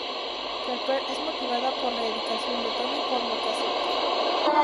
Pepper es motivada por la dedicación de Tony, por lo que acepta.